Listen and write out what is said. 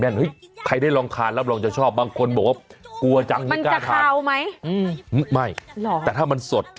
แม่นใครได้รองคาญแล้วบอกจะชอบบางคนบอกว่ากลัวจังไม่กล้าคาญมันจะขาวไหม